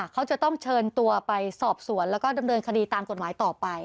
เขาจะต้องเชิญตัวไปสอบสวนแล้วก็ดำเนินคดีตามกฎหมายต่อไป